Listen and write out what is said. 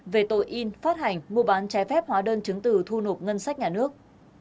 về tội in phát hành mua bán trái phép hóa đơn chứng từ thu nộp ngân sách nhà nước